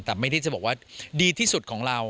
แต่ไม่ได้จะบอกว่าดีที่สุดของเรา